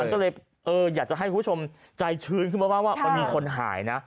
ก็เลยอยากจะให้คุณผู้ชมใจชื้นขึ้นมาบ้างว่ามันมีคนหายนะ